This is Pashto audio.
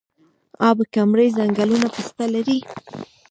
اب کمري ځنګلونه پسته لري؟